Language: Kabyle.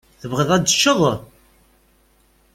Tebɣiḍ ad teččeḍ?